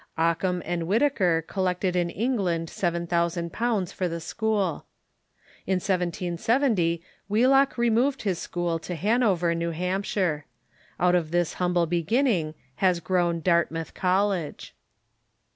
Oc cum and Whitaker collected in England seven thousand pounds for the school. In 1770 Wheelock removed his school to Han over, New Hampshire. Out of this humble beginning has grown Dartmouth College.